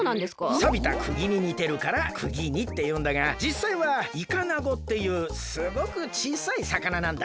さびたクギににてるからくぎ煮っていうんだがじっさいはイカナゴっていうすごくちいさいさかななんだ。